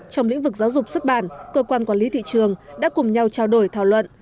trong lĩnh vực giáo dục xuất bản cơ quan quản lý thị trường đã cùng nhau trao đổi thảo luận